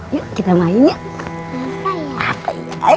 yuk kita main ya